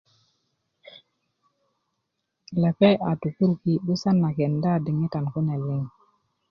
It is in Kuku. lepeŋ a tukuruki' 'busan na kenda diŋitan kune liŋ